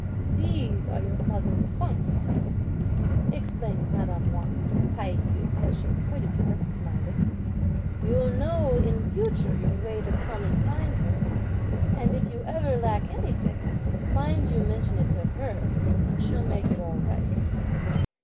"These are your cousin Feng's rooms," explained madame Wang to Tai yü, as she pointed to them smiling. "You'll know in future your way to come and find her; and if you ever lack anything, mind you mention it to her, and she'll make it all right."